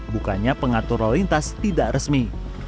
bukannya pengatur lalu lintas tidak resmi